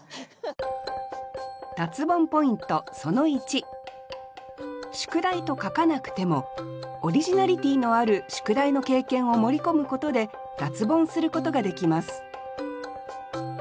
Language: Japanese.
脱ボンポイントその１「宿題」と書かなくてもオリジナリティーのある「宿題」の経験を盛り込むことで脱ボンすることができます